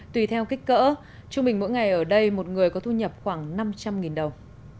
tùy theo kích cỡ trung bình mỗi ngày ở đây một người có thu nhập khoảng năm trăm linh đồng